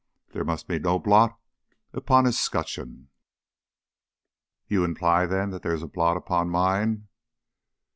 There must be no blot upon his 'scutcheon." "You imply, then, that there is a blot upon mine?"